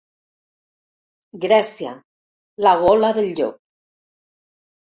Grècia, la gola del llop.